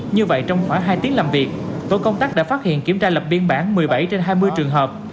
như vậy trong khoảng hai tiếng làm việc tổ công tác đã phát hiện kiểm tra lập biên bản một mươi bảy trên hai mươi trường hợp